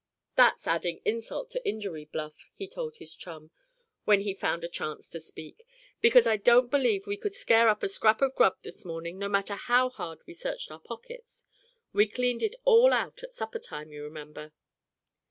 "That's adding insult to injury, Bluff," he told his chum, when he found a chance to speak. "Because I don't believe we could scare up a scrap of grub this morning, no matter how hard we searched our pockets. We cleaned it all out at suppertime, you remember."